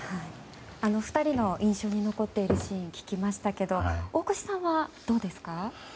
２人の印象に残っているシーンを聞きましたが大越さんはどうですか？